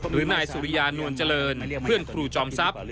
หรือนายสุริยานวลเจริญเพื่อนครูจอมทรัพย์